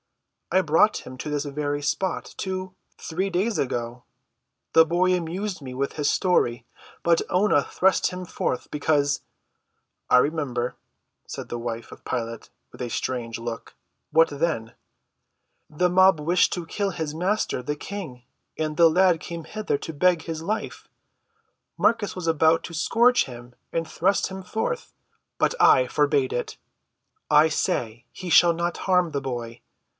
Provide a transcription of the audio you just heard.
I brought him to this very spot two—three days ago. The boy amused me with his story. But Oonah thrust him forth because—" "I remember," said the wife of Pilate with a strange look. "What then?" "The mob wish to kill his Master, the King, and the lad came hither to beg his life. Marcus was about to scourge him and thrust him forth, but I forbade it. I say he shall not harm the boy.